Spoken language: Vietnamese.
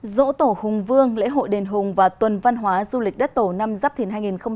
dỗ tổ hùng vương lễ hội đền hùng và tuần văn hóa du lịch đất tổ năm giáp thiền hai nghìn hai mươi bốn